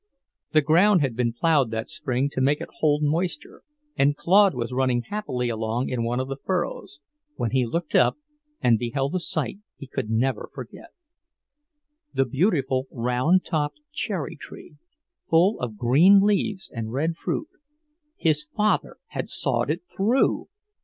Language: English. The ground had been ploughed that spring to make it hold moisture, and Claude was running happily along in one of the furrows, when he looked up and beheld a sight he could never forget. The beautiful, round topped cherry tree, full of green leaves and red fruit, his father had sawed it through!